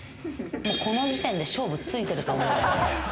この時点で勝負ついてると思うんだよ。